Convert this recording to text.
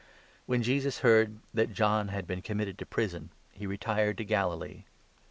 jeaus settles When Jesus heard that John had been com at mitted to prison, he retired to Galilee.